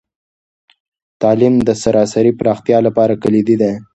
تعلیم د سراسري پراختیا لپاره کلیدي دی.